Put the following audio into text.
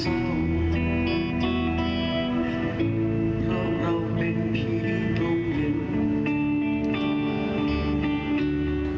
เพราะเราเป็นผีโรงเย็น